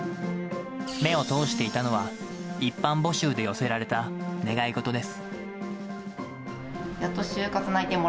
目を通していたのは、一般募集で寄せられた願い事です。